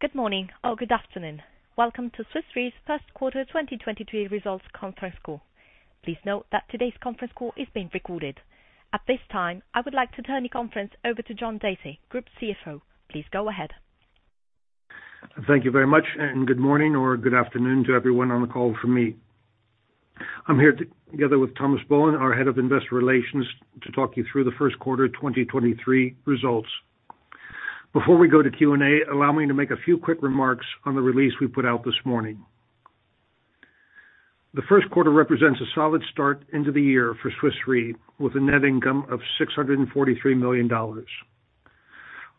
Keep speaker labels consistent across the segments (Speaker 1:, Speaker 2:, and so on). Speaker 1: Good morning or good afternoon. Welcome to Swiss Re's first quarter 2023 results conference call. Please note that today's conference call is being recorded. At this time, I would like to turn the conference over to John Dacey, Group CFO. Please go ahead.
Speaker 2: Thank you very much. Good morning or good afternoon to everyone on the call for me. I'm here together with Thomas Bohun, our Head of Investor Relations, to talk you through the first quarter of 2023 results. Before we go to Q&A, allow me to make a few quick remarks on the release we put out this morning. The first quarter represents a solid start into the year for Swiss Re with a net income of $643 million.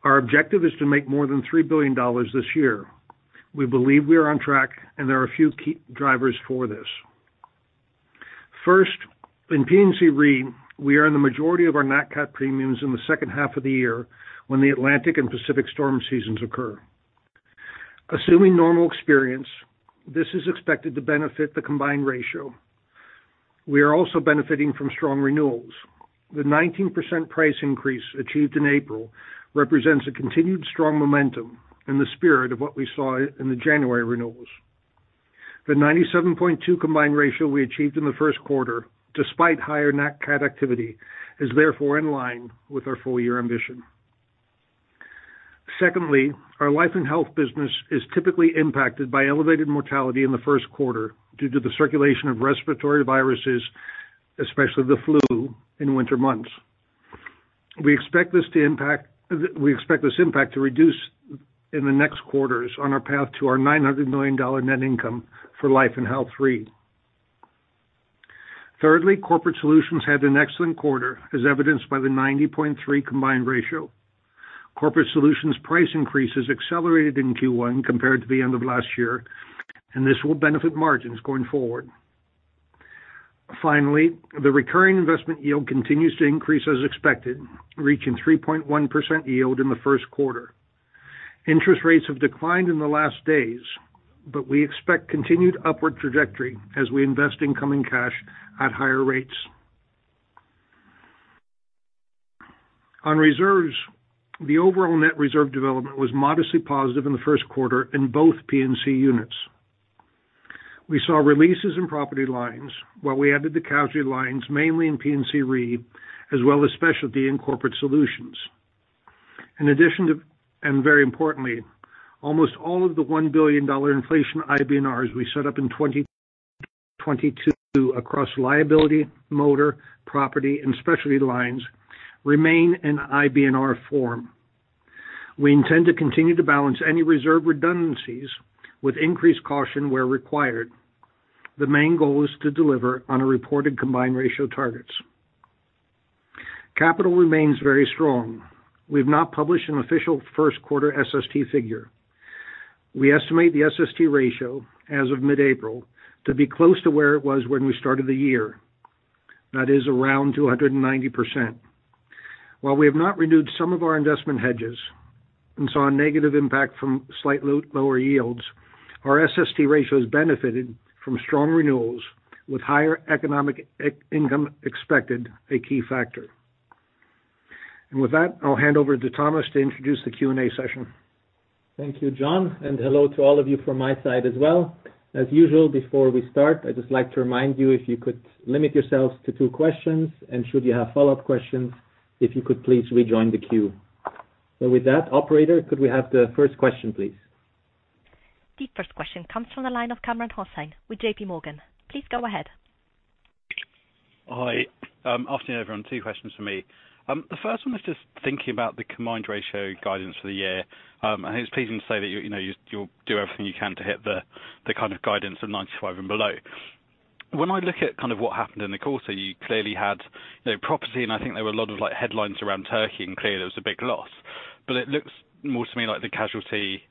Speaker 2: Our objective is to make more than $3 billion this year. We believe we are on track and there are a few key drivers for this. First, in P&C Re, we earn the majority of our Nat Cat premiums in the second half of the year when the Atlantic and Pacific storm seasons occur. Assuming normal experience, this is expected to benefit the combined ratio. We are also benefiting from strong renewals. The 19% price increase achieved in April represents a continued strong momentum in the spirit of what we saw in the January renewals. The 97.2 combined ratio we achieved in the first quarter, despite higher nat cat activity, is therefore in line with our full year ambition. Secondly, our life and health business is typically impacted by elevated mortality in the first quarter due to the circulation of respiratory viruses, especially the flu, in winter months. We expect this impact to reduce in the next quarters on our path to our $900 million net income for Life & Health Re. Thirdly, Corporate Solutions had an excellent quarter, as evidenced by the 90.3 combined ratio. Corporate solutions price increases accelerated in Q1 compared to the end of last year, and this will benefit margins going forward. The recurring investment yield continues to increase as expected, reaching 3.1% yield in the first quarter. Interest rates have declined in the last days, but we expect continued upward trajectory as we invest in coming cash at higher rates. On reserves, the overall net reserve development was modestly positive in the first quarter in both P&C units. We saw releases in property lines, while we added the casualty lines, mainly in P&C Re, as well as specialty and Corporate Solutions. In addition to, and very importantly, almost all of the $1 billion inflation IBNRs we set up in 2022 across liability, motor, property and specialty lines remain in IBNR form. We intend to continue to balance any reserve redundancies with increased caution where required. The main goal is to deliver on our reported combined ratio targets. Capital remains very strong. We've not published an official first quarter SST figure. We estimate the SST ratio as of mid-April to be close to where it was when we started the year, that is around 290%. While we have not renewed some of our investment hedges and saw a negative impact from slight lower yields, our SST ratio has benefited from strong renewals with higher economic income expected, a key factor. With that, I'll hand over to Thomas to introduce the Q&A session.
Speaker 3: Thank you, John, and hello to all of you from my side as well. As usual, before we start, I'd just like to remind you if you could limit yourselves to two questions, and should you have follow-up questions, if you could please rejoin the queue. With that, operator, could we have the first question, please?
Speaker 1: The first question comes from the line of Kamran Hossain with JPMorgan. Please go ahead.
Speaker 4: Hi. Afternoon, everyone. 2 questions from me. The first one was just thinking about the combined ratio guidance for the year. I think it's pleasing to say that you know, you'll do everything you can to hit the kind of guidance of 95% and below. When I look at kind of what happened in the quarter, you clearly had, you know, property and I think there were a lot of like headlines around Turkey, and clearly it was a big loss. It looks more to me like the casualty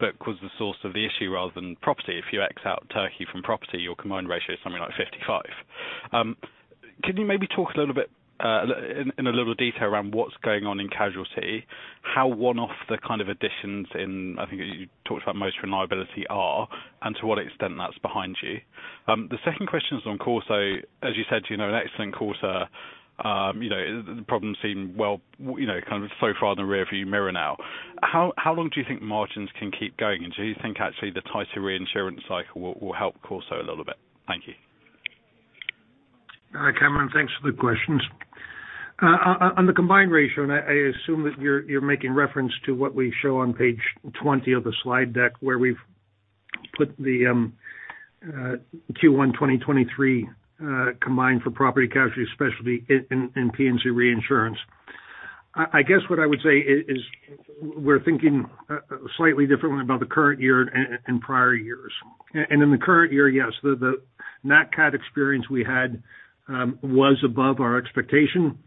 Speaker 4: bit caused the source of the issue rather than property. If you x out Turkey from property, your combined ratio is something like 55%. Can you maybe talk a little bit in a little detail around what's going on in casualty, how one-off the kind of additions in, I think you talked about most liability are, and to what extent that's behind you? The second question is on Corso. As you said, you know, an excellent quarter. You know, the problems seem well, you know, kind of so far in the rear view mirror now. How long do you think margins can keep going? Do you think actually the tighter reinsurance cycle will help Corso a little bit? Thank you.
Speaker 2: Hi, Kamran. Thanks for the questions. On the combined ratio, I assume that you're making reference to what we show on page 20 of the slide deck where we've put the Q1 2023 combined for property casualty specialty in P&C reinsurance. I guess what I would say is we're thinking slightly differently about the current year and prior years. In the current year, yes, the Nat Cat experience we had was above our expectation.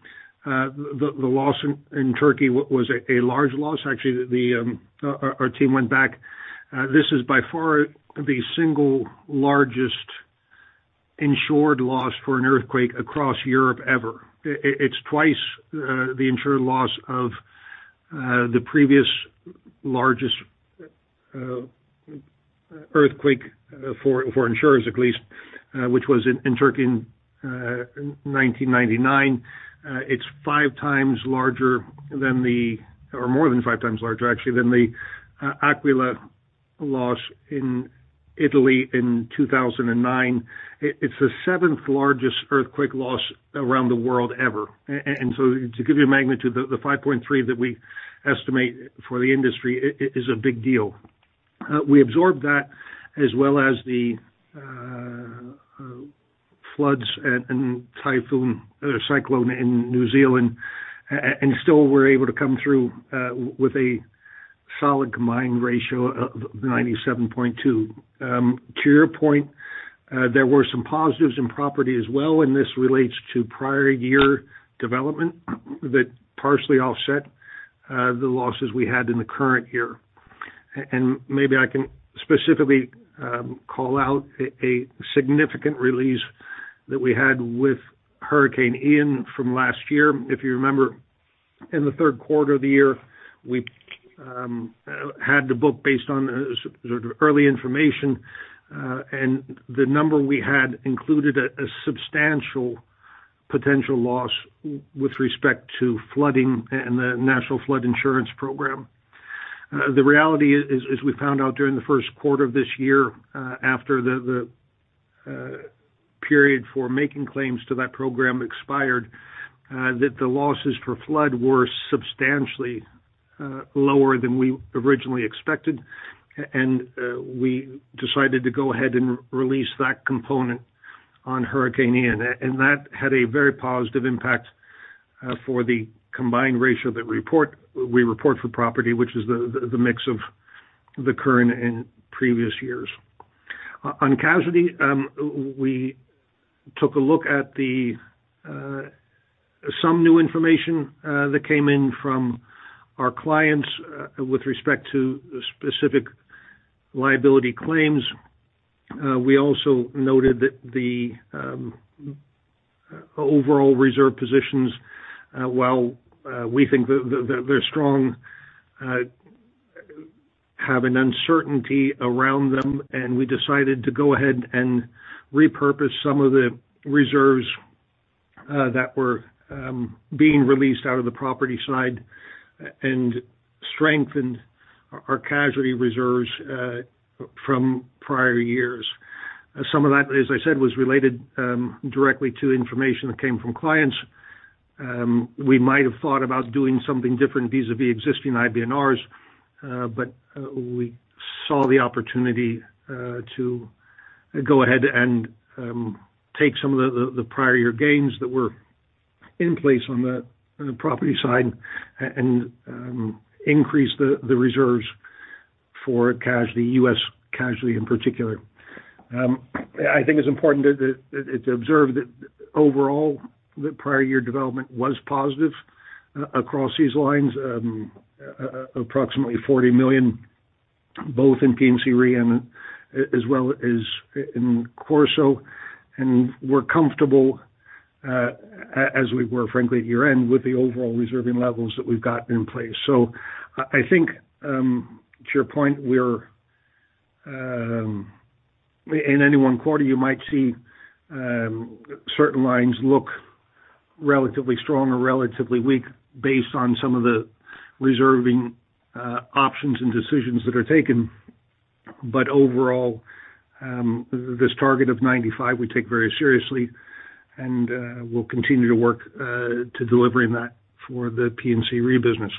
Speaker 2: The loss in Turkey was a large loss. Actually, our team went back, this is by far the single largest insured loss for an earthquake across Europe ever. It's twice the insured loss of the previous largest earthquake for insurers at least. Which was in Turkey in 1999. It's five times larger than the. Or more than five times larger, actually, than the L'Aquila loss in Italy in 2009. It's the 7th largest earthquake loss around the world ever. To give you a magnitude, the 5.3 that we estimate for the industry is a big deal. We absorbed that as well as the floods and typhoon cyclone in New Zealand, and still were able to come through with a solid combined ratio of 97.2. To your point, there were some positives in property as well, and this relates to prior year development that partially offset the losses we had in the current year. And maybe I can specifically call out a significant release that we had with Hurricane Ian from last year. If you remember, in the third quarter of the year, we had the book based on sort of early information, and the number we had included a substantial potential loss with respect to flooding and the National Flood Insurance Program. The reality is, as we found out during the first quarter of this year, after the period for making claims to that program expired, that the losses for flood were substantially lower than we originally expected. We decided to go ahead and release that component on Hurricane Ian. That had a very positive impact for the combined ratio that we report for property, which is the mix of the current and previous years. On casualty, we took a look at the some new information that came in from our clients with respect to specific liability claims. We also noted that the overall reserve positions, while we think that they're strong, have an uncertainty around them, and we decided to go ahead and repurpose some of the reserves that were being released out of the property side and strengthen our casualty reserves from prior years. Some of that, as I said, was related directly to information that came from clients. We might have thought about doing something different vis-à-vis existing IBNRs, we saw the opportunity to go ahead and take some of the prior year gains that were in place on the property side and increase the reserves for casualty, U.S. casualty in particular. I think it's important to observe that overall, the prior year development was positive across these lines. Approximately $40 million, both in P&C Re and as well as in Corso, and we're comfortable as we were frankly at year-end, with the overall reserving levels that we've got in place. I think to your point, we're... In any 1 quarter you might see certain lines look relatively strong or relatively weak based on some of the reserving options and decisions that are taken. Overall, this target of 95 we take very seriously and we'll continue to work to delivering that for the P&C Re business.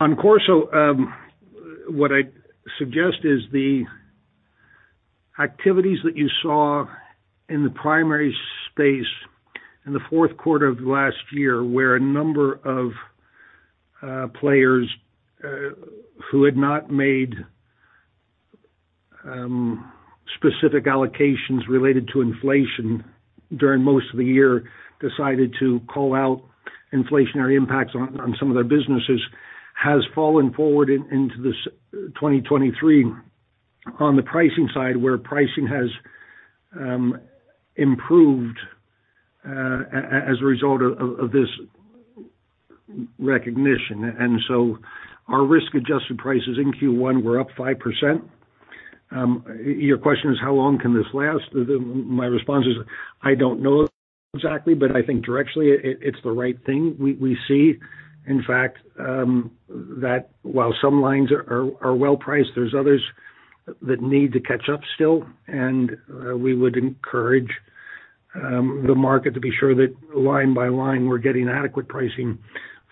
Speaker 2: On Corso, what I'd suggest is the activities that you saw in the primary space in the fourth quarter of last year, where a number of players who had not made specific allocations related to inflation during most of the year, decided to call out inflationary impacts on some of their businesses, has fallen forward into this 2023 on the pricing side, where pricing has improved as a result of this recognition. Our risk-adjusted prices in Q1 were up 5%. Your question is how long can this last? My response is I don't know exactly, but I think directionally it's the right thing. We see, in fact, that while some lines are well priced, there's others that need to catch up still. We would encourage the market to be sure that line by line we're getting adequate pricing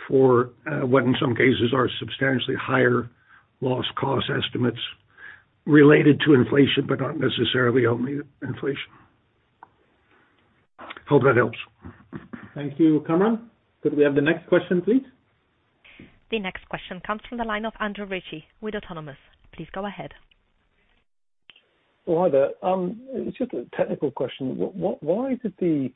Speaker 2: for what in some cases are substantially higher loss cost estimates related to inflation, but not necessarily only inflation. Hope that helps.
Speaker 3: Thank you, Kamran. Could we have the next question, please?
Speaker 1: The next question comes from the line of Andrew Ritchie with Autonomous. Please go ahead.
Speaker 5: Well, hi there. It's just a technical question. Why did the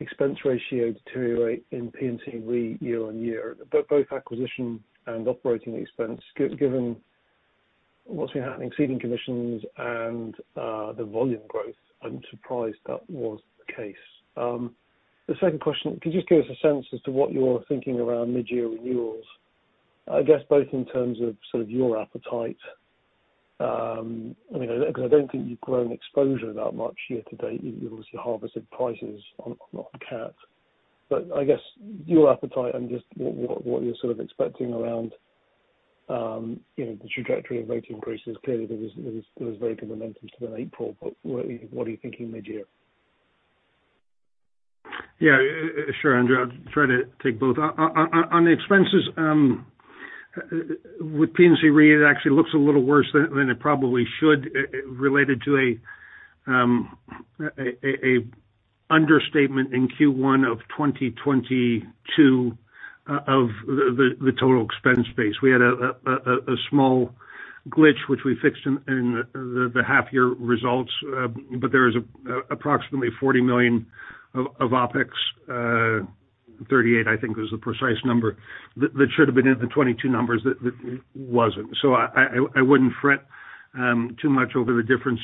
Speaker 5: expense ratio deteriorate in P&C Re year-over-year, both acquisition and operating expense, given what's been happening, ceding commissions and the volume growth? I'm surprised that was the case. The second question, could you just give us a sense as to what you're thinking around mid-year renewals, I guess both in terms of sort of your appetite, I mean, I don't think you've grown exposure that much year-to-date. You obviously harvested prices on cat. I guess your appetite and just what you're sort of expecting around, you know, the trajectory of rate increases. Clearly, there was very good momentum to the April, what are you thinking mid-year?
Speaker 2: Yeah. Sure, Andrew. I'll try to take both. On the expenses, with P&C Re, it actually looks a little worse than it probably should, related to an understatement in Q1 of 2022 of the total expense base. We had a small glitch, which we fixed in the half year results, but there is approximately $40 million of OpEx, $38, I think was the precise number, that should have been in the 2022 numbers that wasn't. I wouldn't fret too much over the difference.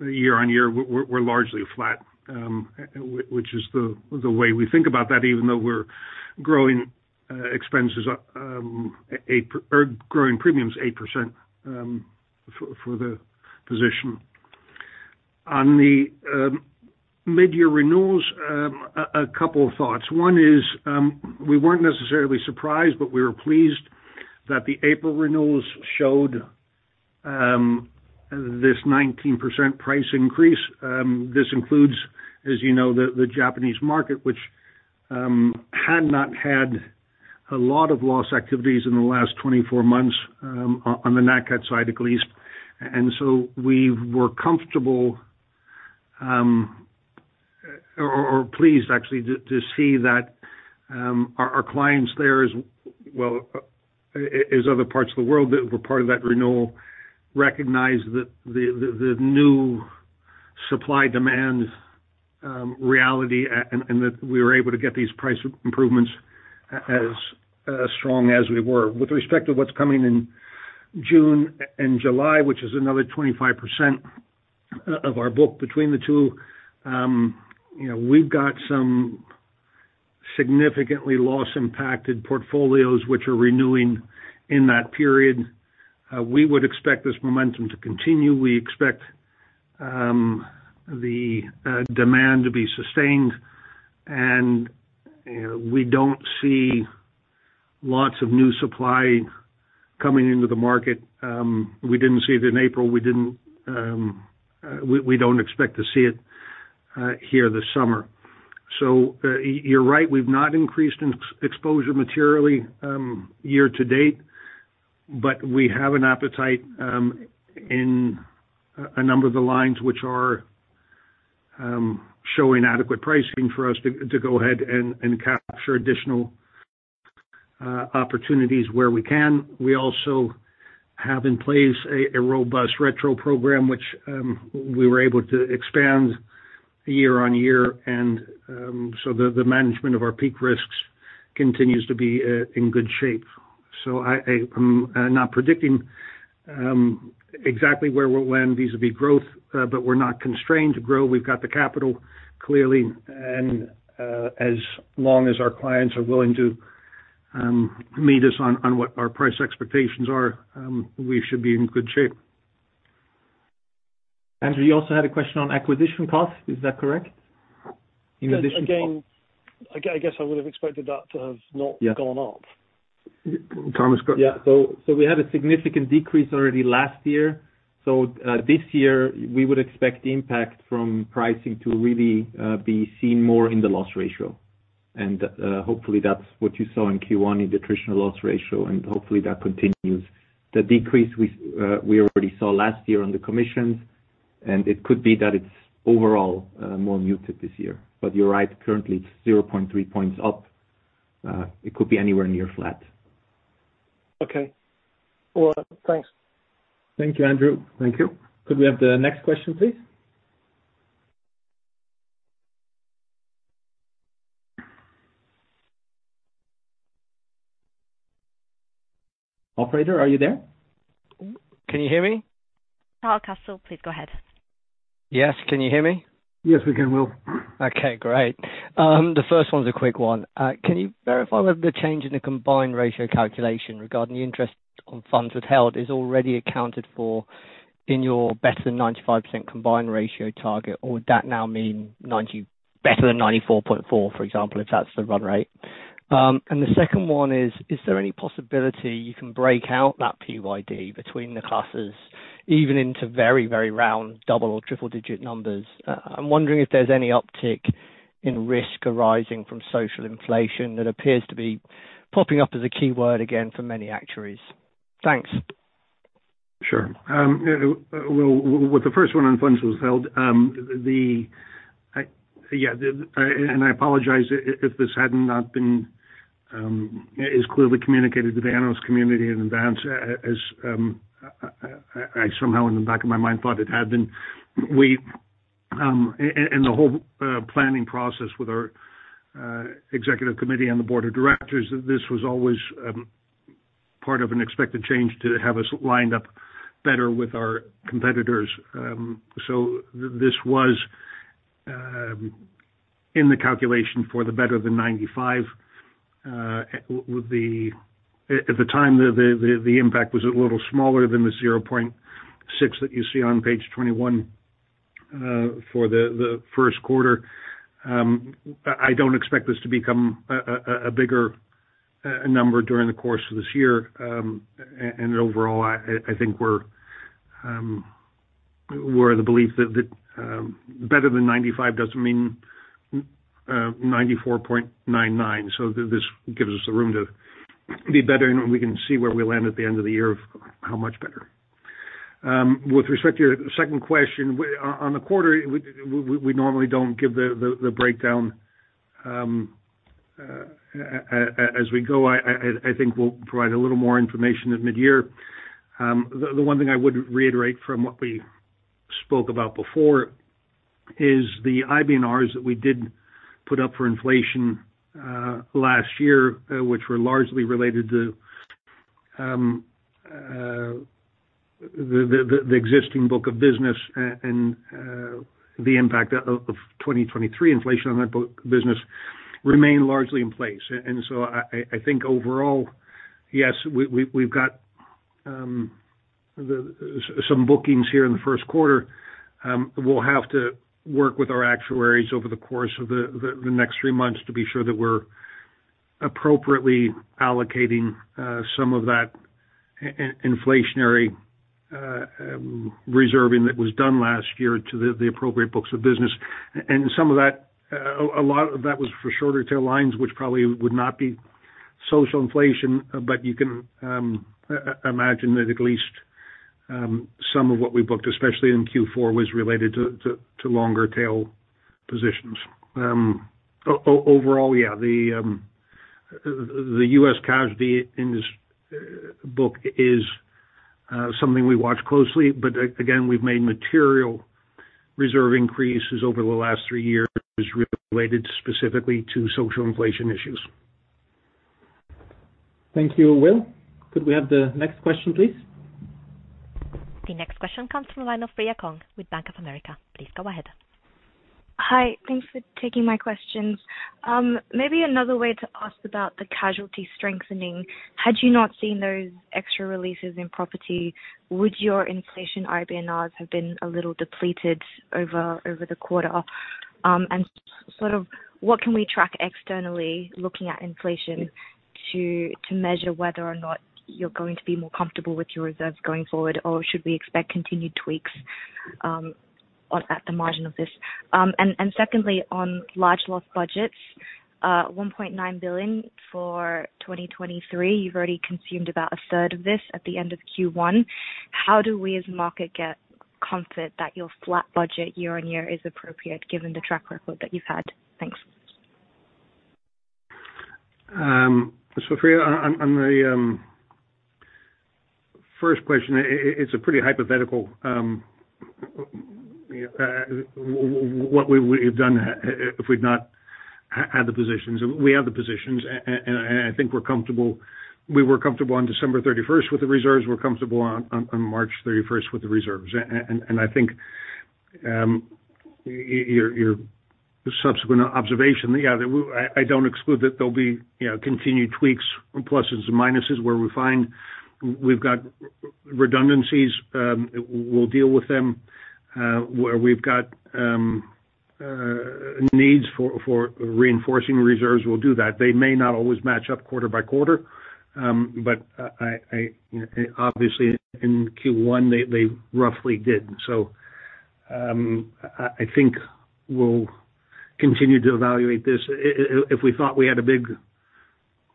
Speaker 2: Year-on-year, we're largely flat, which is the way we think about that, even though we're growing expenses 8% or growing premiums 8% for the position. On the midyear renewals, a couple of thoughts. One is, we weren't necessarily surprised, but we were pleased that the April renewals showed this 19% price increase. This includes, as you know, the Japanese market, which had not had a lot of loss activities in the last 24 months, on the Nat Cat side, at least. We were comfortable, or pleased actually to see that our clients there, as well, as other parts of the world that were part of that renewal, recognized that the new supply demand reality and that we were able to get these price improvements as strong as we were. With respect to what's coming in June and July, which is another 25% of our book between the two, you know, we've got some significantly loss impacted portfolios, which are renewing in that period. We would expect this momentum to continue. We expect the demand to be sustained, and you know, we don't see lots of new supply coming into the market. We didn't see it in April. We don't expect to see it here this summer. You're right, we've not increased ex-exposure materially year-to-date, but we have an appetite in a number of the lines which are showing adequate pricing for us to go ahead and capture additional opportunities where we can. We also have in place a robust retro program, which we were able to expand year-on-year. The management of our peak risks continues to be in good shape. I'm not predicting exactly where we'll land vis-a-vis growth, but we're not constrained to grow. We've got the capital clearly, and as long as our clients are willing to meet us on what our price expectations are, we should be in good shape.
Speaker 3: Andrew, you also had a question on acquisition costs. Is that correct?
Speaker 5: I guess I would have expected that to have not gone up.
Speaker 2: Thomas,
Speaker 3: Yeah. We had a significant decrease already last year. This year we would expect the impact from pricing to really be seen more in the loss ratio. Hopefully that's what you saw in Q1 in the traditional loss ratio, and hopefully that continues. The decrease we already saw last year on the commissions, it could be that it's overall more muted this year. You're right, currently it's 0.3 points up. It could be anywhere near flat.
Speaker 5: Okay. All right. Thanks.
Speaker 3: Thank you, Andrew.
Speaker 5: Thank you.
Speaker 3: Could we have the next question, please? Operator, are you there?
Speaker 6: Can you hear me?
Speaker 1: Will Hardcastle, please go ahead.
Speaker 6: Yes. Can you hear me?
Speaker 2: Yes, we can, Will.
Speaker 6: Okay, great. The first one's a quick one. Can you verify whether the change in the combined ratio calculation regarding the interest on funds withheld is already accounted for in your better than 95% combined ratio target, or would that now mean better than 94.4, for example, if that's the run rate? The second one is there any possibility you can break out that PYD between the classes, even into very, very round double or triple-digit numbers? I'm wondering if there's any uptick in risk arising from social inflation that appears to be popping up as a keyword again for many actuaries. Thanks.
Speaker 2: Sure. Will, with the first one on funds withheld, the I, yeah, the, I apologize if this had not been as clearly communicated to the analyst community in advance as I somehow in the back of my mind thought it had been. We, and the whole planning process with our executive committee and the board of directors, this was always part of an expected change to have us lined up better with our competitors. This was in the calculation for the better than 95. At the time, the impact was a little smaller than the 0.6 that you see on page 21, for the first quarter. I don't expect this to become a bigger number during the course of this year. Overall, I think we're of the belief that better than 95 doesn't mean 94.99. This gives us the room to be better, and we can see where we land at the end of the year of how much better. With respect to your second question, on the quarter, we normally don't give the breakdown as we go. I think we'll provide a little more information at mid-year. The one thing I would reiterate from what we spoke about before is the IBNRs that we did put up for inflation last year, which were largely related to the existing book of business and the impact of 2023 inflation on that book business remain largely in place. I think overall, yes, we've got some bookings here in the first quarter. We'll have to work with our actuaries over the course of the next 3 months to be sure that we're appropriately allocating some of that inflationary reserving that was done last year to the appropriate books of business. Some of that, a lot of that was for shorter tail lines, which probably would not be social inflation, but you can imagine that at least some of what we booked, especially in Q4, was related to longer tail positions. Overall, the U.S. casualty book is something we watch closely, again, we've made material reserve increases over the last 3 years related specifically to social inflation issues.
Speaker 3: Thank you, Will. Could we have the next question, please?
Speaker 1: The next question comes from the line of Freya Kong with Bank of America. Please go ahead.
Speaker 7: Hi. Thanks for taking my questions. Maybe another way to ask about the casualty strengthening. Had you not seen those extra releases in property, would your inflation IBNRs have been a little depleted over the quarter? Sort of what can we track externally looking at inflation to measure whether or not you're going to be more comfortable with your reserves going forward, or should we expect continued tweaks at the margin of this? Secondly, on large loss budgets, $1.9 billion for 2023, you've already consumed about a third of this at the end of Q1. How do we as market get confident that your flat budget year-on-year is appropriate given the track record that you've had? Thanks.
Speaker 2: Freya on the first question, it's a pretty hypothetical what we would have done if we'd not had the positions. We have the positions, and I think we're comfortable. We were comfortable on December 31st with the reserves. We're comfortable on March 31st with the reserves. And I think, your subsequent observation, yeah, I don't exclude that there'll be, you know, continued tweaks, pluses and minuses, where we find we've got redundancies. We'll deal with them. Where we've got needs for reinforcing reserves, we'll do that. They may not always match up quarter by quarter. I obviously in Q1, they roughly did. I think we'll continue to evaluate this. If we thought we had a big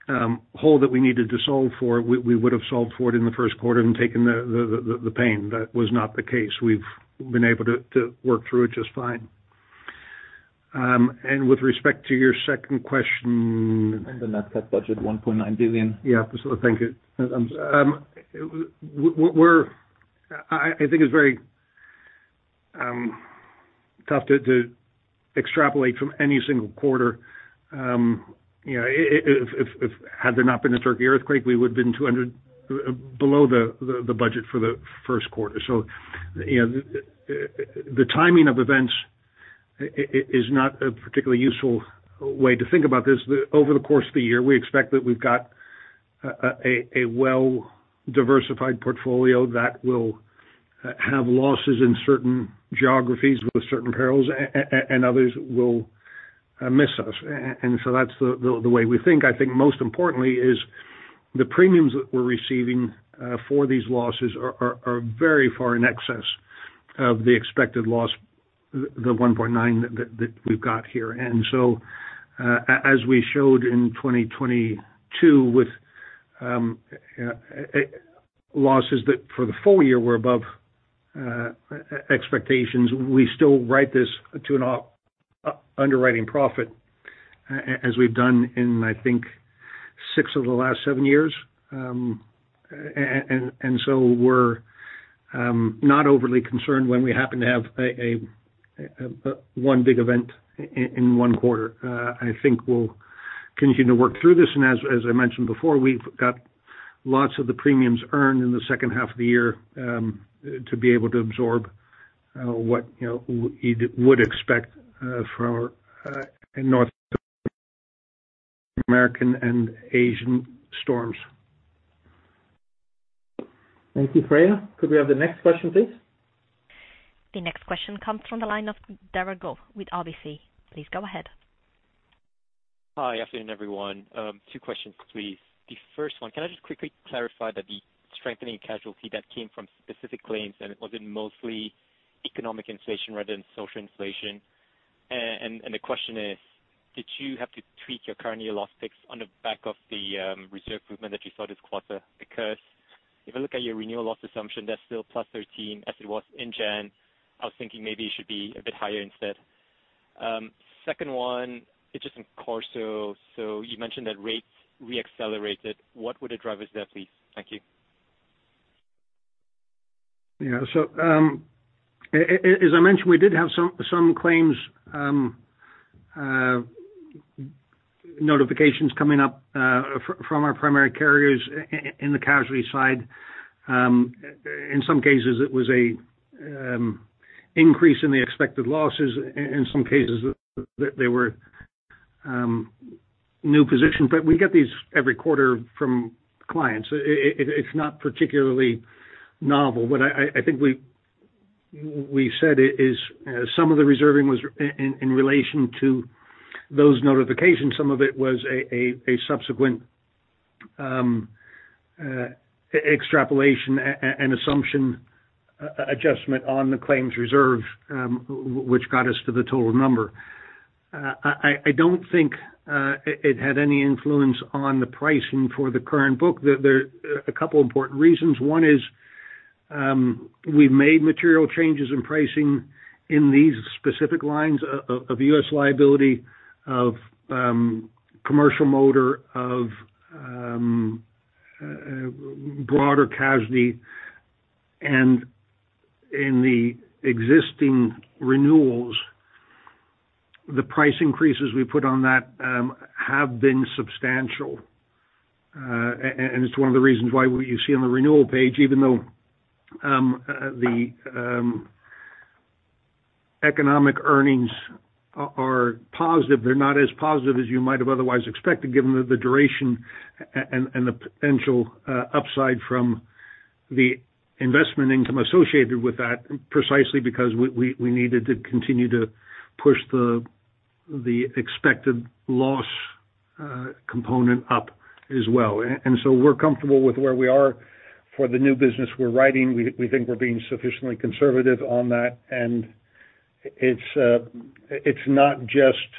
Speaker 2: hole that we needed to solve for, we would have solved for it in the first quarter and taken the pain. That was not the case. We've been able to work through it just fine. With respect to your second question.
Speaker 3: On the net budget, $1.9 billion.
Speaker 2: Yeah. Thank you. I think it's very tough to extrapolate from any single quarter. you know, if had there not been a Turkey earthquake, we would have been 200 below the budget for the first quarter. you know, the timing of events is not a particularly useful way to think about this. Over the course of the year, we expect that we've got a well-diversified portfolio that will have losses in certain geographies with certain perils and others will miss us. That's the way we think. I think most importantly is the premiums that we're receiving for these losses are very far in excess of the expected loss, the 1.9 that we've got here. As we showed in 2022 with losses that for the full year were above expectations, we still write this to an underwriting profit as we've done in, I think, six of the last seven years. We're not overly concerned when we happen to have a one big event in one quarter. I think we'll continue to work through this, and as I mentioned before, we've got lots of the premiums earned in the second half of the year to be able to absorb what, you know, you'd expect for in North American and Asian storms.
Speaker 3: Thank you. Freya, could we have the next question, please?
Speaker 1: The next question comes from the line of Derald Goh with RBC. Please go ahead.
Speaker 8: Hi. Afternoon, everyone. Two questions, please. The first one, can I just quickly clarify that the strengthening casualty that came from specific claims, and it was in mostly economic inflation rather than social inflation. The question is, did you have to tweak your current year loss picks on the back of the reserve movement that you saw this quarter? If I look at your renewal loss assumption, that's still +13 as it was in January. I was thinking maybe it should be a bit higher instead. Second one, it's just in Corso. You mentioned that rates re-accelerated. What would the drivers there please? Thank you.
Speaker 2: Yeah. As I mentioned, we did have some claims notifications coming up from our primary carriers in the casualty side. In some cases it was a increase in the expected losses. In some cases they were new positions. We get these every quarter from clients. It's not particularly novel. What I think we said is some of the reserving was in relation to those notifications. Some of it was a subsequent extrapolation and assumption adjustment on the claims reserve, which got us to the total number. I don't think it had any influence on the pricing for the current book. There are a couple important reasons. One is, we've made material changes in pricing in these specific lines of U.S. casualty, of commercial motor, of broader casualty. In the existing renewals, the price increases we put on that have been substantial. It's one of the reasons why what you see on the renewal page, even though the economic earnings are positive, they're not as positive as you might have otherwise expected given the duration and the potential upside from the investment income associated with that, precisely because we needed to continue to push the expected loss component up as well. We're comfortable with where we are for the new business we're writing. We think we're being sufficiently conservative on that. It's not just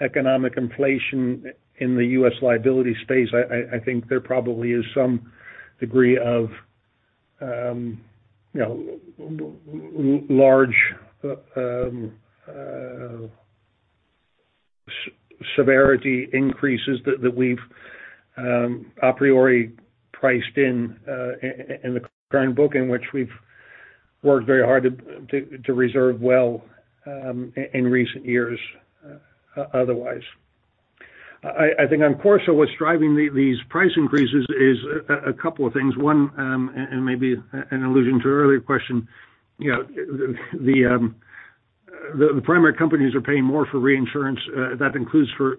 Speaker 2: economic inflation in the US casualty space. I think there probably is some degree of, you know, large severity increases that we've a priori priced in in the current book, in which we've worked very hard to reserve well, in recent years, otherwise. I think on Corso, what's driving these price increases is a couple of things. One, and maybe an allusion to an earlier question, you know, the primary companies are paying more for reinsurance. That includes for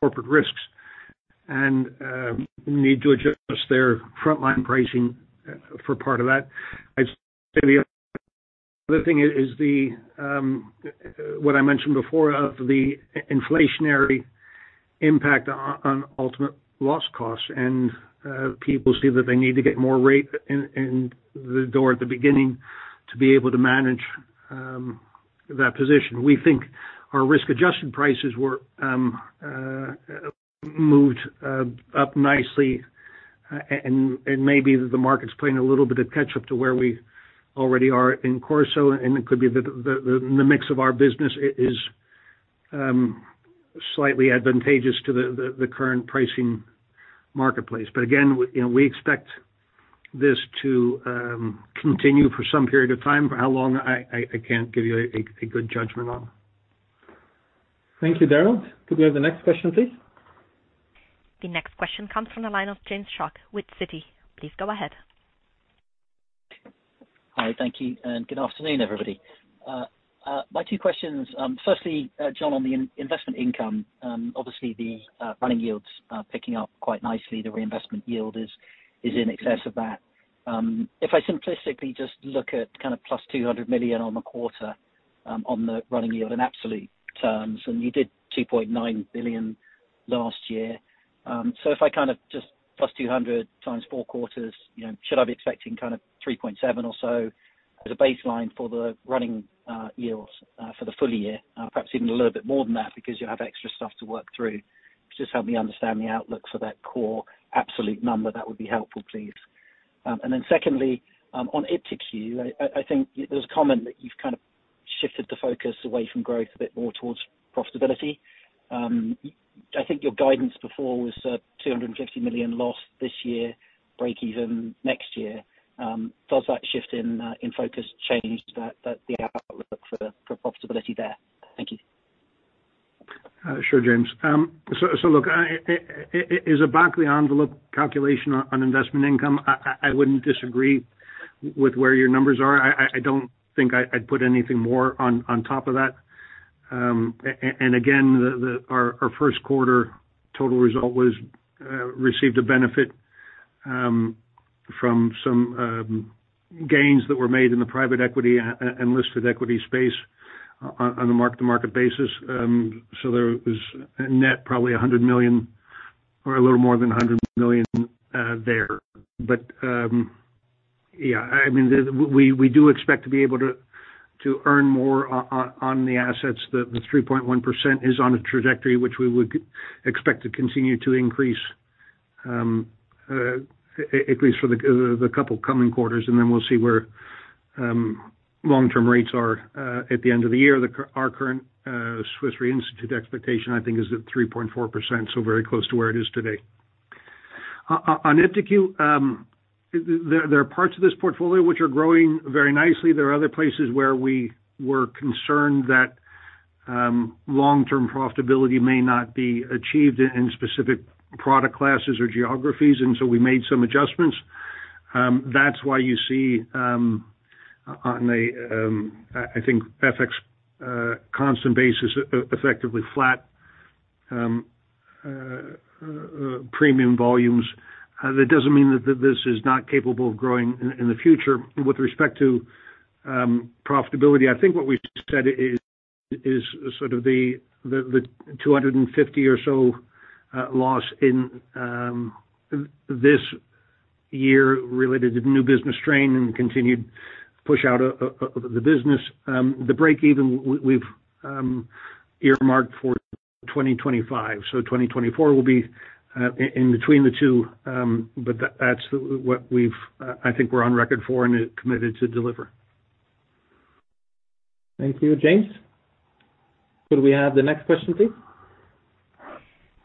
Speaker 2: corporate risks and need to adjust their frontline pricing for part of that. I'd say the other thing is the what I mentioned before of the inflationary impact on ultimate loss costs. People see that they need to get more rate in the door at the beginning to be able to manage that position. We think our risk-adjusted prices were moved up nicely. Maybe the market's playing a little bit of catch up to where we already are in Corso, and it could be the mix of our business is slightly advantageous to the current pricing marketplace. Again, you know, we expect this to continue for some period of time. For how long, I can't give you a good judgment on.
Speaker 3: Thank you, Derald. Could we have the next question, please?
Speaker 1: The next question comes from the line of James Shuck with Citi. Please go ahead.
Speaker 9: Hi. Thank you, and good afternoon, everybody. My two questions. Firstly, John Dacey, on the investment income, obviously the running yields are picking up quite nicely. The reinvestment yield is in excess of that. If I simplistically just look at kind of +$200 million on the quarter, on the running yield in absolute terms, and you did $2.9 billion last year. If I kind of just +$200 times four quarters, you know, should I be expecting kind of 3.7 or so as a baseline for the running yields for the full year? Perhaps even a little bit more than that because you'll have extra stuff to work through. Just help me understand the outlook for that core absolute number. That would be helpful, please. Secondly, on iptiQ, I think there's comment that you've kind of shifted the focus away from growth a bit more towards profitability. I think your guidance before was a $250 million loss this year, breakeven next year. Does that shift in focus change that, the outlook for profitability there? Thank you.
Speaker 2: Sure, James. Look, is a Berenberg envelope calculation on investment income? I wouldn't disagree with where your numbers are. I don't think I'd put anything more on top of that. Again, our first quarter total result was received a benefit from some gains that were made in the private equity and listed equity space on a mark to market basis. There was a net probably $100 million or a little more than $100 million there. Yeah, I mean, we do expect to be able to earn more on the assets. The 3.1% is on a trajectory which we would expect to continue to increase at least for the couple coming quarters, and then we'll see where long term rates are at the end of the year. Our current Swiss Re Institute expectation, I think is at 3.4%, so very close to where it is today. On iptiQ, there are parts of this portfolio which are growing very nicely. There are other places where we were concerned that long-term profitability may not be achieved in specific product classes or geographies, and so we made some adjustments. That's why you see on a, I think FX constant basis, effectively flat premium volumes. That doesn't mean that this is not capable of growing in the future. With respect to profitability, I think what we've said is sort of the, the $250 or so loss in this year related to the new business strain and continued push out of the business. The break even we've earmarked for 2025. 2024 will be in between the two. That's what we've, I think we're on record for and committed to deliver.
Speaker 3: Thank you. James, could we have the next question, please?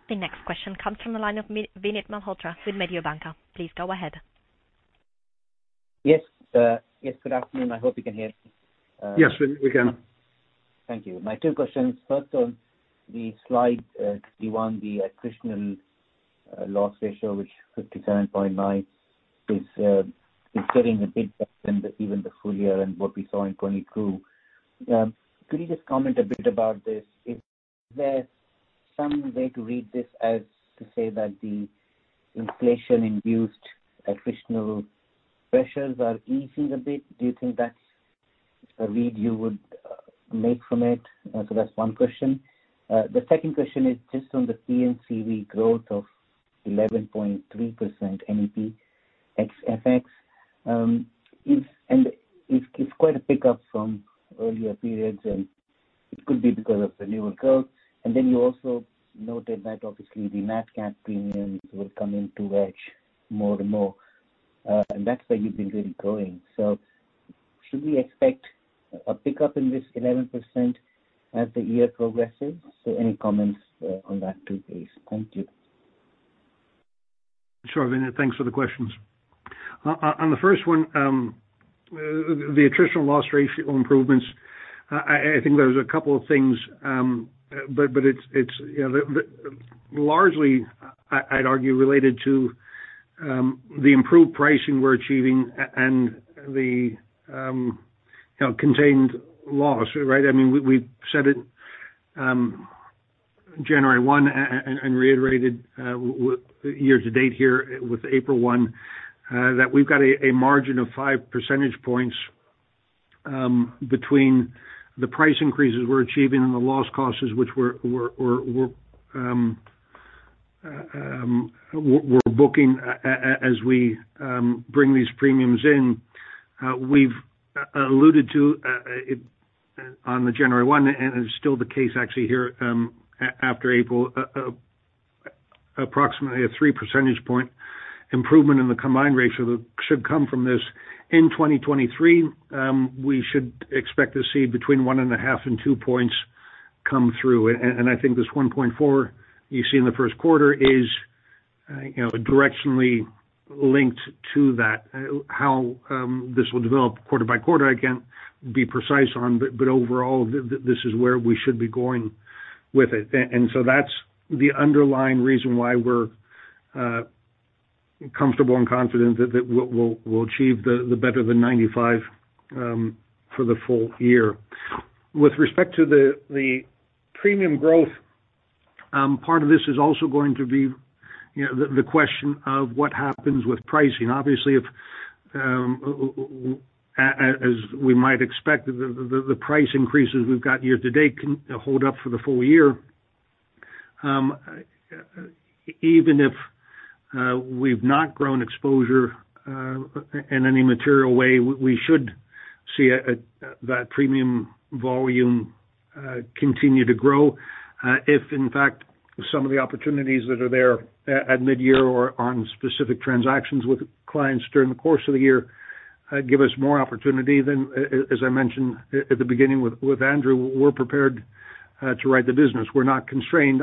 Speaker 1: The next question comes from the line of Vinit Malhotra with Mediobanca. Please go ahead.
Speaker 10: Yes, yes, good afternoon. I hope you can hear me.
Speaker 2: Yes, we can.
Speaker 10: Thank you. My 2 questions. First on the slide, 31, the attritional loss ratio, which 57.9 is getting a bit better than even the full year and what we saw in 2022. Could you just comment a bit about this? Is there some way to read this as to say that the inflation induced attritional pressures are easing a bit? Do you think that's a read you would make from it? That's 1 question. The second question is just on the P&C growth of 11.3% NEP ex FX. It's quite a pickup from earlier periods, and it could be because of the newer curve. Then you also noted that obviously the Nat Cat premiums will come into edge more and more, and that's where you've been really growing. Should we expect a pickup in this 11% as the year progresses? Any comments on that 2, please. Thank you.
Speaker 2: Sure, Vineet. Thanks for the questions. On the first one, the attritional loss ratio improvements, I think there's a couple of things, but it's, you know, largely, I'd argue related to the improved pricing we're achieving and the, you know, contained loss, right? I mean, we said it January one, and reiterated with year to date here with April one, that we've got a margin of five percentage points between the price increases we're achieving and the loss costs which we're booking as we bring these premiums in. We've alluded to on the January one, and it's still the case actually here after April, approximately a three percentage point improvement in the combined ratio that should come from this. In 2023, we should expect to see between 1.5 and 2 points come through. I think this 1.4 you see in the first quarter is, you know, directionally linked to that. How this will develop quarter by quarter, I can't be precise on, but overall, this is where we should be going with it. That's the underlying reason why we're comfortable and confident that we'll achieve the better than 95 for the full year. With respect to the premium growth, part of this is also going to be, you know, the question of what happens with pricing. Obviously if, as we might expect, the price increases we've got year to date can hold up for the full year. Even if we've not grown exposure in any material way, we should see that premium volume continue to grow. If in fact some of the opportunities that are there at mid-year or on specific transactions with clients during the course of the year, give us more opportunity than as I mentioned at the beginning with Andrew, we're prepared to write the business. We're not constrained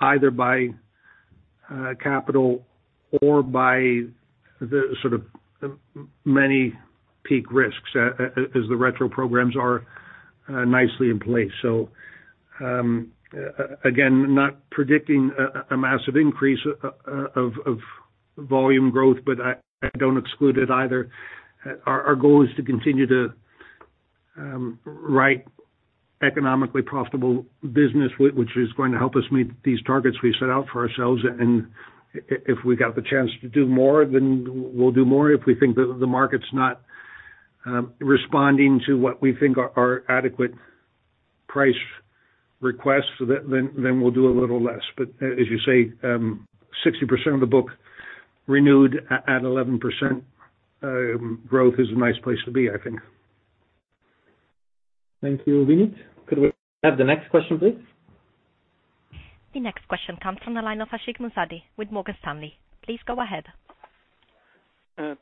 Speaker 2: either by capital or by the sort of many peak risks as the retro programs are nicely in place. Again, not predicting a massive increase of volume growth, but I don't exclude it either. Our goal is to continue to write economically profitable business which is going to help us meet these targets we set out for ourselves. If we got the chance to do more, then we'll do more. If we think the market's not responding to what we think are adequate price requests, then we'll do a little less. As you say, 60% of the book renewed at 11% growth is a nice place to be, I think.
Speaker 3: Thank you, Vinit. Could we have the next question, please?
Speaker 1: The next question comes from the line of Ashik Musaddi with Morgan Stanley. Please go ahead.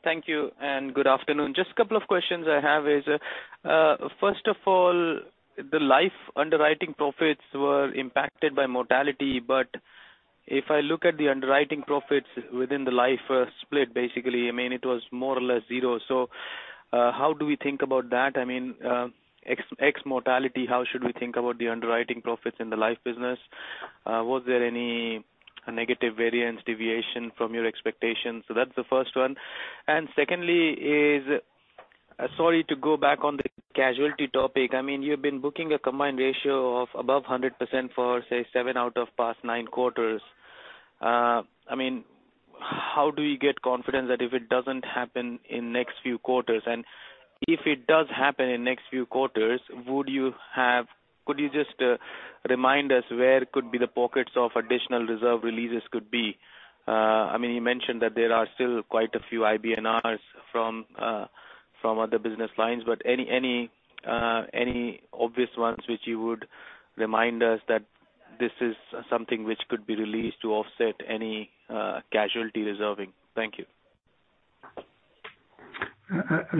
Speaker 11: Thank you and good afternoon. Just a couple of questions I have is, first of all, the life underwriting profits were impacted by mortality. If I look at the underwriting profits within the life split, basically, I mean, it was more or less zero. How do we think about that? I mean, ex-mortality, how should we think about the underwriting profits in the life business? Was there any negative variance deviation from your expectations? That's the first one. Secondly is, sorry to go back on the casualty topic. I mean, you've been booking a combined ratio of above 100% for, say, seven out of past nine quarters. I mean, how do you get confidence that if it doesn't happen in next few quarters, and if it does happen in next few quarters, could you just remind us where could be the pockets of additional reserve releases could be? I mean, you mentioned that there are still quite a few IBNRs from other business lines, but any obvious ones which you would remind us that this is something which could be released to offset any casualty reserving? Thank you.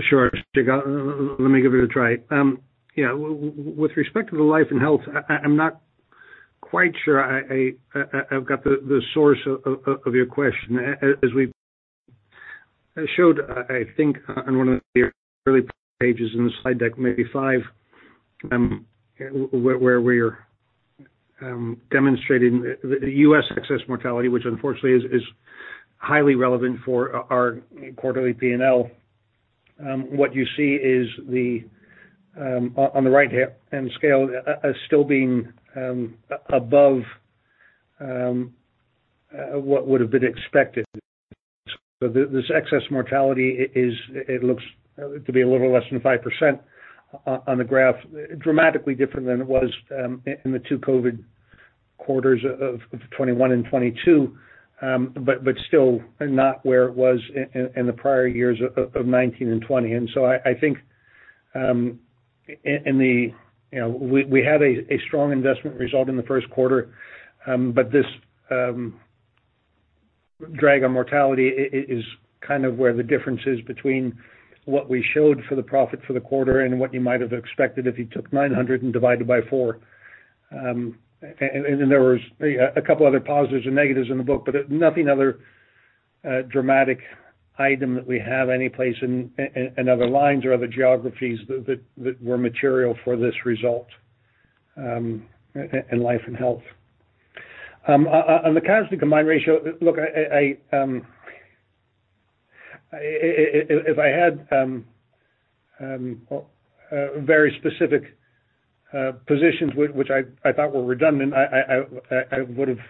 Speaker 2: Sure, Ashik. Let me give it a try. Yeah, with respect to the Life & Health, I'm not quite sure I've got the source of your question. As we showed, I think on one of the early pages in the slide deck, maybe 5, where we're demonstrating the U.S. excess mortality, which unfortunately is highly relevant for our quarterly P&L. What you see is on the right scale as still being above what would have been expected. This excess mortality is, it looks to be a little less than 5% on the graph, dramatically different than it was in the 2 COVID quarters of 2021 and 2022, but still not where it was in the prior years of 2019 and 2020. I think, in the... You know, we had a strong investment result in the first quarter, but this drag on mortality is kind of where the difference is between what we showed for the profit for the quarter and what you might have expected if you took 900 and divided by four. Then there was a couple other positives and negatives in the book, but nothing other dramatic item that we have any place in other lines or other geographies that were material for this result, in Life & Health. On the casualty combined ratio. Look, If I had very specific positions which I thought were redundant, I would have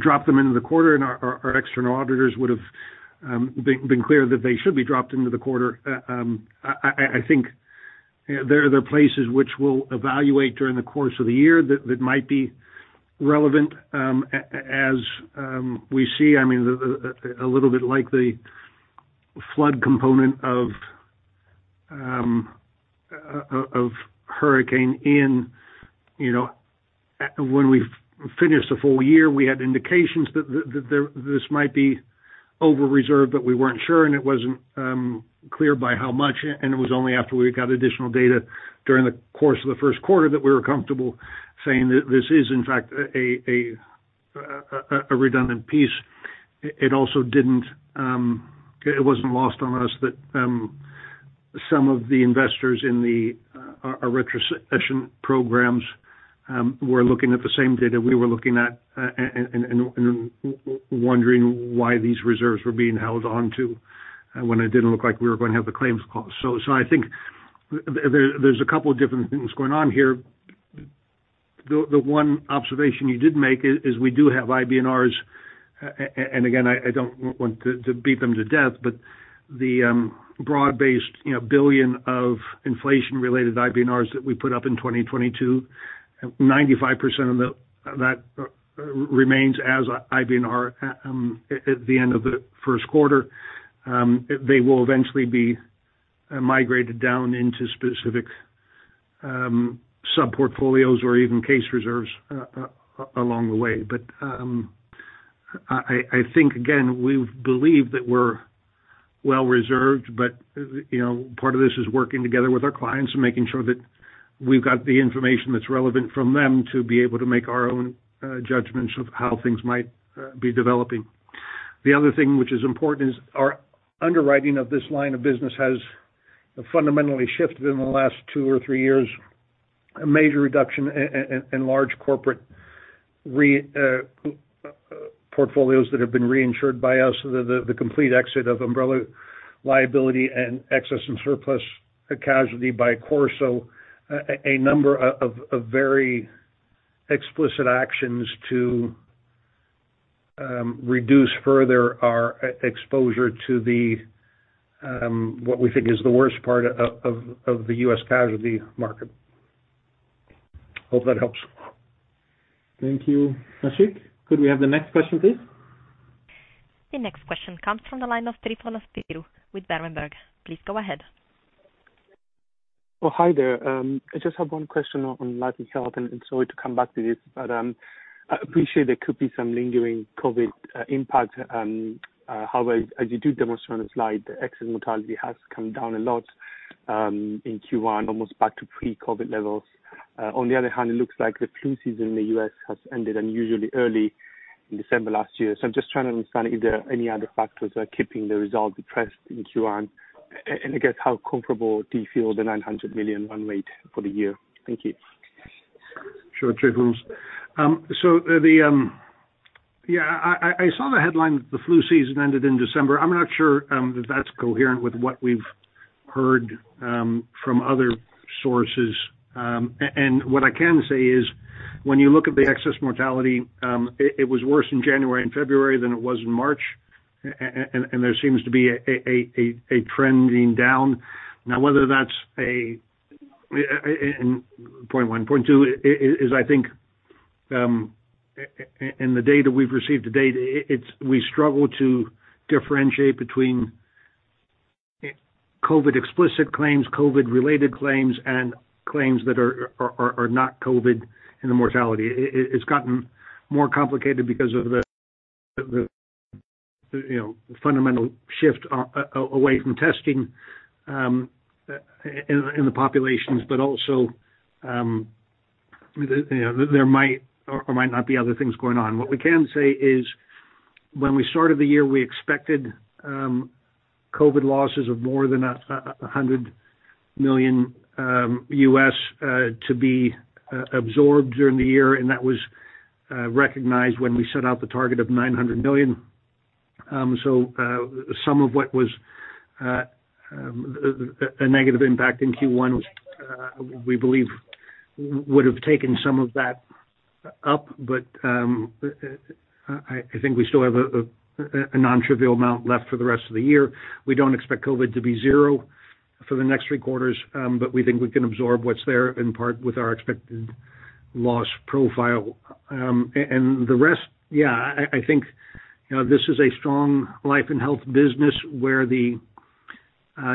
Speaker 2: dropped them into the quarter, and our external auditors would have been clear that they should be dropped into the quarter. I think there are places which we'll evaluate during the course of the year that might be relevant as we see. I mean, a little bit like the flood component of Hurricane Ian. You know, when we finished the full year, we had indications that this might be over-reserved, but we weren't sure, and it wasn't clear by how much. It was only after we got additional data during the course of the first quarter that we were comfortable saying that this is in fact a redundant piece. It also didn't. It wasn't lost on us that some of the investors in our retrocession programs were looking at the same data we were looking at and wondering why these reserves were being held on to when it didn't look like we were going to have the claims cost. I think there's a couple of different things going on here. The one observation you did make is we do have IBNRs. Again, I don't want to beat them to death, the broad-based, you know, $1 billion of inflation-related IBNRs that we put up in 2022, 95% of that remains as IBNR at the end of the first quarter. They will eventually be migrated down into specific sub-portfolios or even case reserves along the way. I think again, we believe that we're well reserved, but, you know, part of this is working together with our clients and making sure that we've got the information that's relevant from them to be able to make our own judgments of how things might be developing. The other thing which is important is our underwriting of this line of business has fundamentally shifted in the last two or three years. A major reduction in large corporate portfolios that have been reinsured by us. The complete exit of umbrella liability and excess and surplus casualty by Corso, a number of very explicit actions to reduce further our exposure to the what we think is the worst part of the U.S. casualty market. Hope that helps.
Speaker 3: Thank you. Ashik, could we have the next question, please?
Speaker 1: The next question comes from the line of Tryfonas Spyrou with Berenberg. Please go ahead.
Speaker 12: Well, hi there. Sorry to come back to this, but I appreciate there could be some lingering COVID impact. As you do demonstrate on the slide, the excess mortality has come down a lot in Q1, almost back to pre-COVID levels. On the other hand, it looks like the flu season in the U.S. has ended unusually early in December last year. I'm just trying to understand if there are any other factors that are keeping the result depressed in Q1, and I guess how comfortable do you feel the $900 million run rate for the year? Thank you.
Speaker 2: Sure, Tryfonas. Yeah, I saw the headline that the flu season ended in December. I'm not sure if that's coherent with what we've heard from other sources. What I can say is, when you look at the excess mortality, it was worse in January and February than it was in March. There seems to be a trending down. Now, whether that's a point one. Point two is, I think, in the data we've received to date, we struggle to differentiate between COVID-explicit claims, COVID-related claims, and claims that are not COVID in the mortality. It's gotten more complicated because of the, you know, fundamental shift away from testing, in the populations. Also, you know, there might or might not be other things going on. What we can say is, when we started the year, we expected COVID losses of more than $100 million U.S. to be absorbed during the year. That was recognized when we set out the target of $900 million. Some of what was a negative impact in Q1, we believe would have taken some of that up. I think we still have a nontrivial amount left for the rest of the year. We don't expect COVID to be zero for the next 3 quarters, but we think we can absorb what's there in part with our expected loss profile. The rest, yeah, I think, you know, this is a strong Life & Health business where the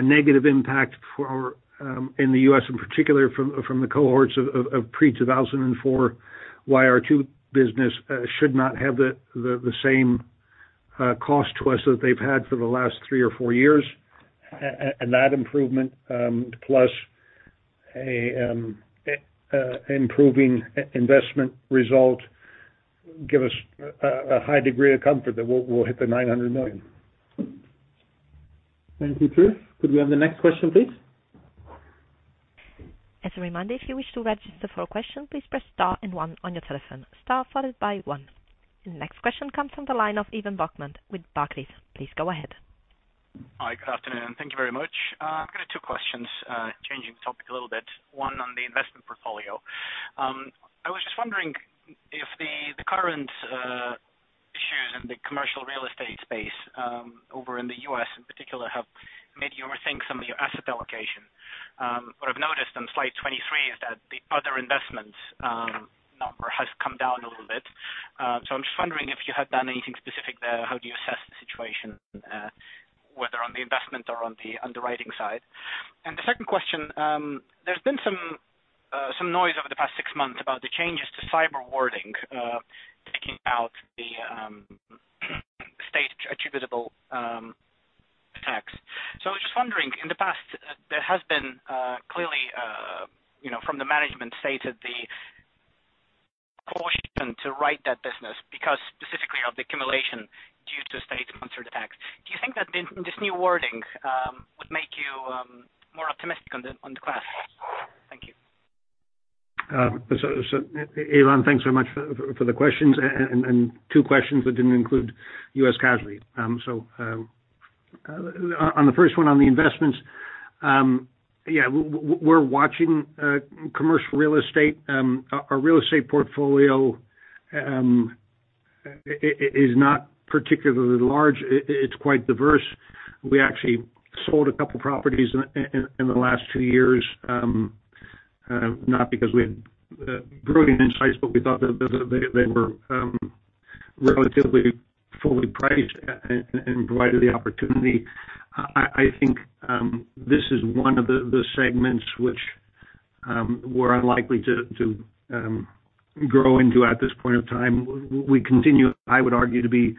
Speaker 2: negative impact for in the U.S. in particular from the cohorts of pre-2004 YRT business should not have the same cost to us that they've had for the last 3 or 4 years. That improvement, plus an improving investment result give us a high degree of comfort that we'll hit the $900 million.
Speaker 3: Thank you, Tryfonas Could we have the next question, please?
Speaker 1: As a reminder, if you wish to register for a question, please press star and one on your telephone. Star followed by one. The next question comes from the line of Ivan Bokhmat with Barclays. Please go ahead.
Speaker 13: Hi, good afternoon. Thank you very much. I've got 2 questions, changing the topic a little bit. 1 on the investment portfolio. I was just wondering if the current issues in the commercial real estate space over in the U.S. in particular, have made you rethink some of your asset allocation. What I've noticed on slide 23 is that the other investment number has come down a little bit. I'm just wondering if you have done anything specific there. How do you assess the situation, whether on the investment or on the underwriting side? The second question, there's been some noise over the past 6 months about the changes to cyber wording, taking out the state-attributable attacks. I was just wondering, in the past, there has been, clearly, you know, from the management stated the caution to write that business because specifically of the accumulation due to state-sponsored attacks. Do you think that this new wording would make you more optimistic on the class? Thank you.
Speaker 2: Ivan, thanks so much for the questions and two questions that didn't include U.S. casualty. On the first one on the investments, yeah, we're watching commercial real estate. Our real estate portfolio is not particularly large. It's quite diverse. We actually sold a couple properties in the last two years, not because we had brilliant insights, but we thought that they were relatively fully priced and provided the opportunity. I think this is one of the segments which we're unlikely to grow into at this point of time. We continue, I would argue, to be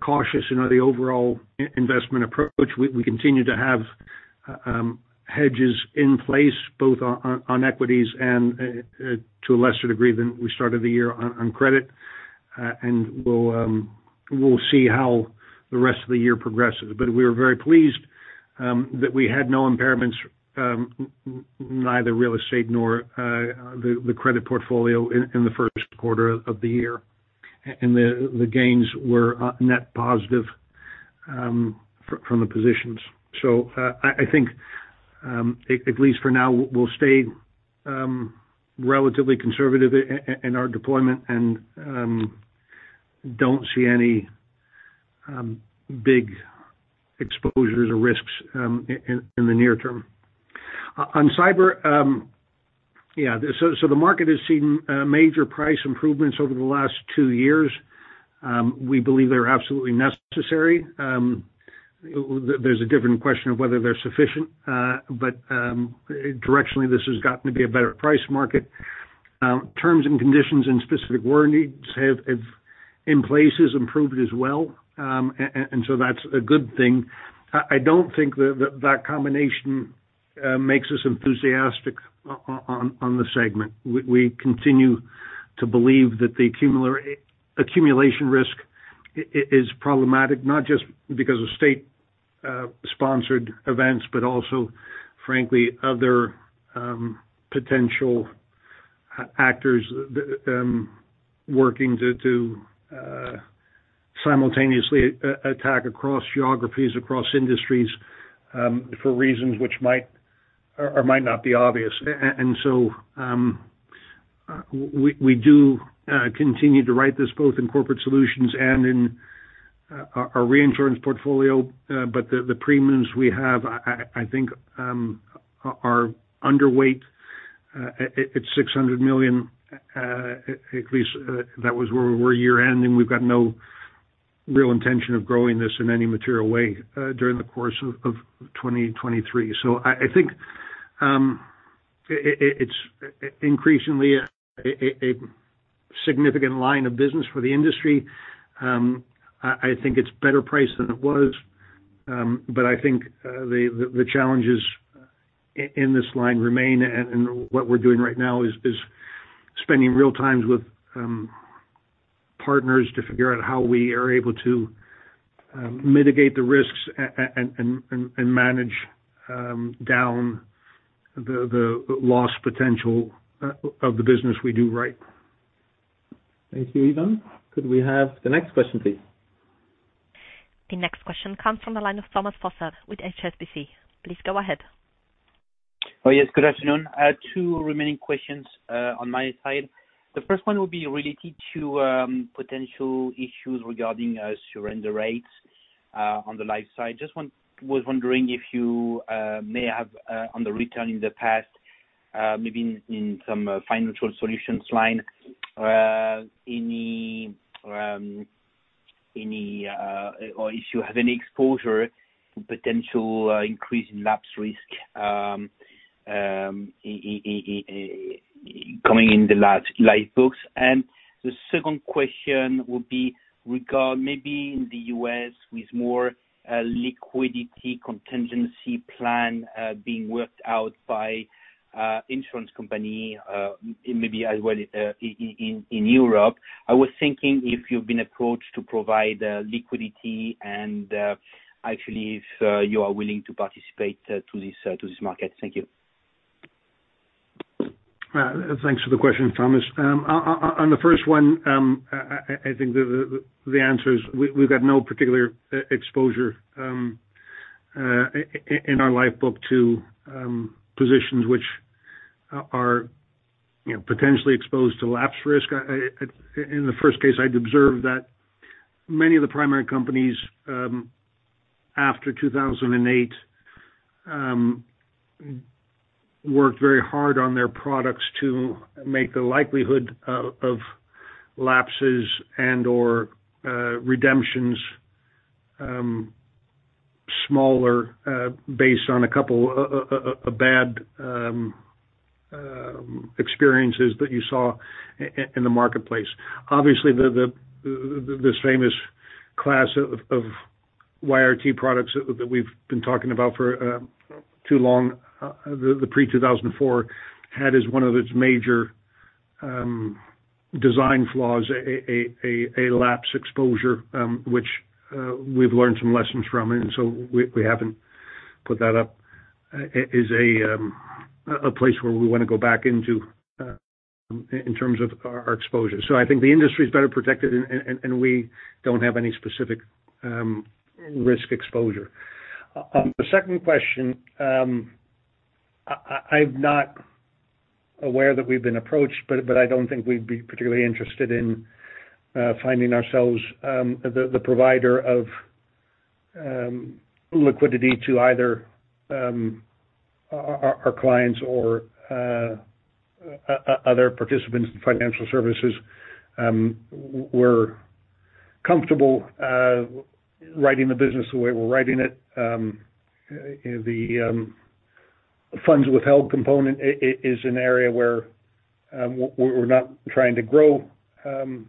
Speaker 2: cautious in the overall investment approach. We continue to have hedges in place both on equities and to a lesser degree than we started the year on credit. We'll see how the rest of the year progresses. We were very pleased that we had no impairments, neither real estate nor the credit portfolio in the first quarter of the year. The gains were net positive from the positions. I think at least for now, we'll stay relatively conservative in our deployment and don't see any big exposures or risks in the near term. On cyber, yeah. The market has seen major price improvements over the last two years. We believe they're absolutely necessary. There's a different question of whether they're sufficient. Directionally, this has gotten to be a better price market. Terms and conditions and specific word needs have in places improved as well. That's a good thing. I don't think that combination makes us enthusiastic on the segment. We continue to believe that the accumulation risk is problematic, not just because of state sponsored events, but also, frankly, other potential actors working to simultaneously attack across geographies, across industries, for reasons which might or might not be obvious. We do continue to write this both in Corporate Solutions and in our reinsurance portfolio. The premiums we have, I think, are underweight. At $600 million, at least that was where we were year-end, and we've got no real intention of growing this in any material way, during the course of 2023. I think it's increasingly a significant line of business for the industry. I think it's better priced than it was. I think the challenges in this line remain, and what we're doing right now is spending real times with partners to figure out how we are able to mitigate the risks and manage down the loss potential of the business we do right.
Speaker 3: Thank you. Ivan. Could we have the next question, please?
Speaker 1: The next question comes from the line of Thomas Fossard with HSBC. Please go ahead.
Speaker 14: Oh, yes. Good afternoon. I have two remaining questions on my side. The first one will be related to potential issues regarding surrender rates on the life side. Just was wondering if you may have on the return in the past, maybe in some Financial Solutions line, any, or if you have any exposure to potential increase in lapse risk in coming in the last life books. The second question would be regard maybe in the U.S. with more liquidity contingency plan being worked out by insurance company, maybe as well in Europe. I was thinking if you've been approached to provide liquidity and actually if you are willing to participate to this to this market. Thank you.
Speaker 2: Thanks for the question, Thomas. On the first one, I think the answer is we've got no particular exposure in our life book to positions which are, you know, potentially exposed to lapse risk. In the first case, I'd observe that many of the primary companies after 2008 worked very hard on their products to make the likelihood of lapses and/or redemptions smaller, based on a couple of bad experiences that you saw in the marketplace. Obviously, this famous class of YRT products that we've been talking about for too long, the pre-2004 had as one of its major design flaws, a lapse exposure, which we've learned some lessons from. We haven't put that up, is a place where we wanna go back into in terms of our exposure. I think the industry is better protected and we don't have any specific risk exposure. On the second question, I'm not aware that we've been approached, but I don't think we'd be particularly interested in finding ourselves the provider of liquidity to either our clients or other participants in financial services. We're comfortable writing the business the way we're writing it. The funds withheld component is an area where we're not trying to grow the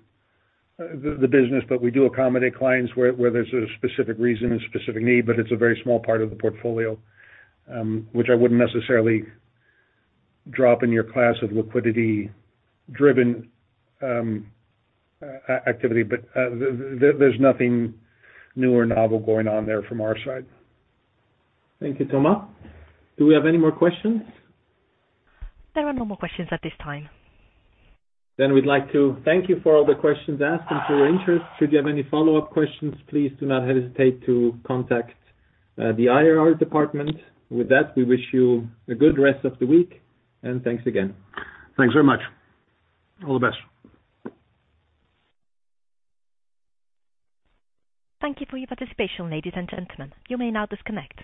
Speaker 2: business, but we do accommodate clients where there's a specific reason, a specific need, but it's a very small part of the portfolio, which I wouldn't necessarily drop in your class of liquidity driven activity. There's nothing new or novel going on there from our side.
Speaker 3: Thank you, Thomas. Do we have any more questions?
Speaker 1: There are no more questions at this time.
Speaker 3: We'd like to thank you for all the questions asked and for your interest. Should you have any follow-up questions, please do not hesitate to contact the IR department. With that, we wish you a good rest of the week and thanks again.
Speaker 2: Thanks very much. All the best.
Speaker 1: Thank you for your participation, ladies and gentlemen. You may now disconnect.